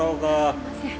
すいません。